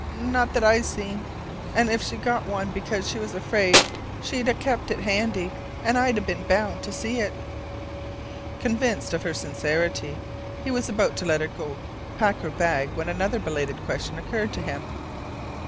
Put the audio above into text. "Not that I seen. And if she'd got one because she was afraid, she'd a kept it handy and I'd a been bound to see it." Convinced of her sincerity, he was about to let her go to pack her bag when another belated question occurred to him.